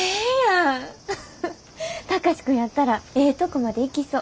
貴司君やったらええとこまでいきそう。